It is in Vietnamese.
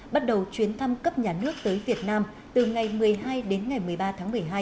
bắt đầu chuyến thăm cấp nhà nước tới việt nam từ ngày một mươi hai đến ngày một mươi ba tháng một mươi hai